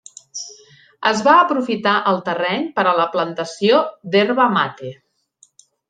Es va aprofitar el terreny per a la plantació d'herba mate.